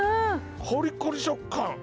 コリコリ食感。